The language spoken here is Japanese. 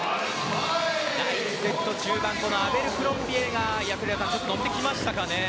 第１セット中盤アベルクロンビエが栗原さん、乗ってきましたかね。